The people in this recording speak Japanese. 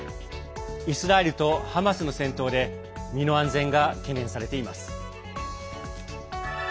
イスラエルとハマスの戦闘で身の安全が懸念されています。